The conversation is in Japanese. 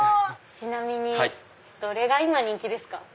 ちなみにどれが今人気ですか？